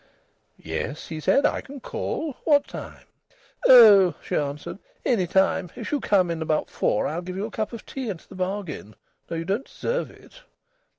"Yes," he said, "I can call. What time?" "Oh!" she answered, "any time. If you come in about four, I'll give you a cup of tea into the bargain. Though you don't deserve it!"